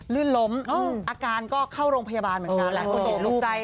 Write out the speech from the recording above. ลืนล้มอืมอาการก็เข้าโรงพยาบาลเหมือนกันแหละตกลูกใจ